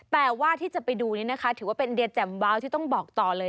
แต่ว่าที่จะไปดูนี้นะคะถือว่าเป็นเดียแจ่มวาวที่ต้องบอกต่อเลย